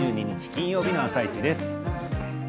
金曜日の「あさイチ」です。